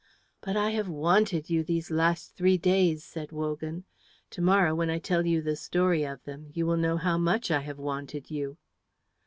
"But I have wanted you these last three days!" said Wogan. "To morrow when I tell you the story of them you will know how much I have wanted you."